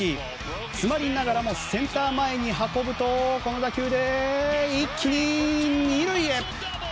詰まりながらもセンター前に運ぶとこの打球で一気に２塁へ。